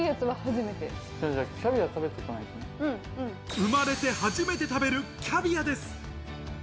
生まれて初めて食べるキャビアです。